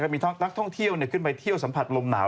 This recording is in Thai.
มีนักท่องเที่ยวขึ้นไปเที่ยวสัมผัสลมหนาว